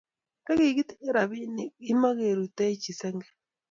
Nta kikitinge robinik ki mukerutoichi senge